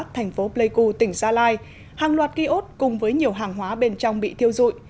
thành phố pleiku tỉnh gia lai hàng loạt ký ốt cùng với nhiều hàng hóa bên trong bị thiêu dụi